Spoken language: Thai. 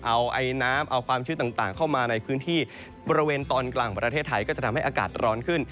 เอาไอน้ำเอาความชื้นต่างเข้ามาในพื้นที่บริเวณตอนกลางของประเทศไทยก็จะทำให้อากาศร้อนขึ้น